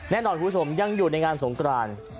แน่นอนคุณผู้ชมยังอยู่ในงานสงกราน